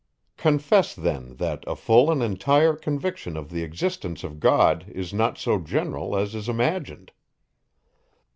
Confess then, that a full and entire conviction of the existence of God is not so general, as is imagined.